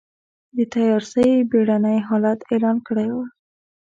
د تيارسۍ بېړنی حالت اعلان کړی و.